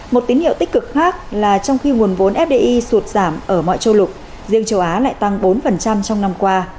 một tín hiệu tích cực khác là trong khi nguồn vốn fdi sụt giảm ở mọi châu lục riêng châu á lại tăng bốn trong năm qua